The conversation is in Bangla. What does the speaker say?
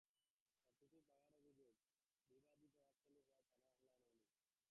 ছাত্রীটির বাবার অভিযোগ, বিবাদী প্রভাবশালী হওয়ায় থানা মামলা নেয়নি।